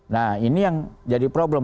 nah ini yang jadi problem